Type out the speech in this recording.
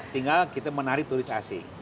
tinggal kita menarik turis asing